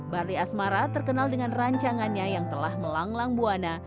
barli asmara terkenal dengan rancangannya yang telah melanglang buana